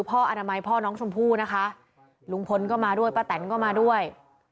อนามัยพ่อน้องชมพู่นะคะลุงพลก็มาด้วยป้าแตนก็มาด้วย